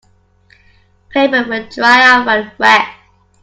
Paper will dry out when wet.